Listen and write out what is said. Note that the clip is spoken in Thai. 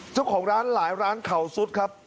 เจ้าของร้านหลายร้านเขาซุดครับ